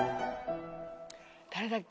誰だっけ？